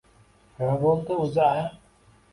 Nima bo‘ldi o‘zi a?